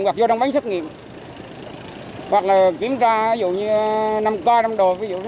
hoặc vô đông bán xét nghiệm hoặc là kiểm tra ví dụ như năm coi năm đồ ví dụ